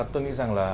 tôi nghĩ rằng là